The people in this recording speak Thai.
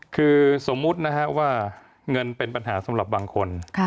คือสมมุตินะฮะว่าเงินเป็นปัญหาสำหรับบางคน